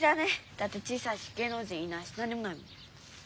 だって小さいしげいのう人いないしなんにもないもん！